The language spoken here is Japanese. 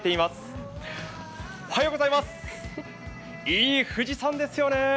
いい富士山ですよね。